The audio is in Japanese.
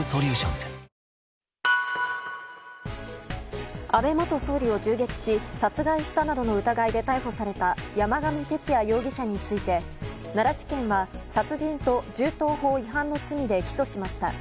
私の選択が私たちの選択がこの世界を美しく変えていく安倍元総理を銃撃し殺害したなどの疑いで逮捕された山上徹也容疑者について奈良地検は、殺人と銃刀法違反の罪で起訴しました。